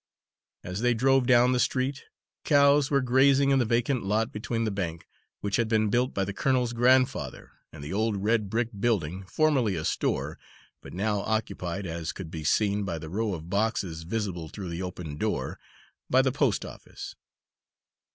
As they drove down the street, cows were grazing in the vacant lot between the bank, which had been built by the colonel's grandfather, and the old red brick building, formerly a store, but now occupied, as could be seen by the row of boxes visible through the open door, by the post office.